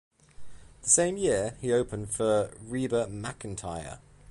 That same year, he opened for Reba McEntire.